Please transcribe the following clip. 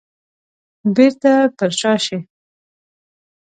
بيرته پر شا شي.